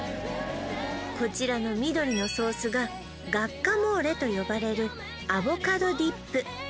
こちらの緑のソースがガッカモーレと呼ばれるアボカドディップ